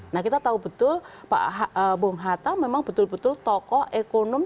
nah kita tahu betul pak bung hatta memang betul betul tokoh ekonom